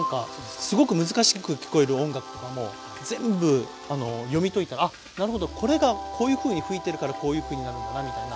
すごく難しく聞こえる音楽とかも全部読み解いたらあっなるほどこれがこういうふうに吹いてるからこういうふうになるんだなみたいな。